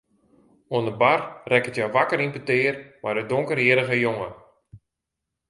Oan de bar rekket hja wakker yn petear mei in donkerhierrige jonge.